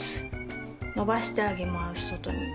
伸ばしてあげます外に。